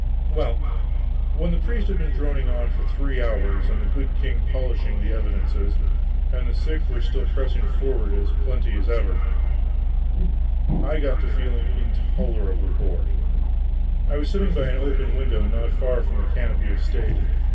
Well, when the priest had been droning for three hours, and the good king polishing the evidences, and the sick were still pressing forward as plenty as ever, I got to feeling intolerably bored. I was sitting by an open window not far from the canopy of state.